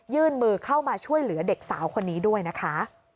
ยื่นมือเข้ามาช่วยเหลือเด็กสาวคนนี้ด้วยนะคะ